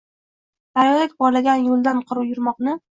Daryodek porlagan yo’ldan yurmoqni